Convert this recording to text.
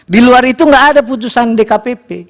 di luar itu nggak ada putusan dkpp